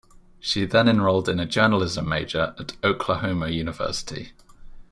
She then enrolled in a journalism major at Oklahoma University.